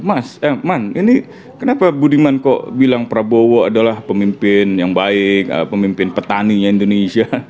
mas elman ini kenapa budiman kok bilang prabowo adalah pemimpin yang baik pemimpin petaninya indonesia